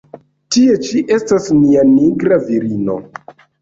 Tie ĉi estas nia nigra virino!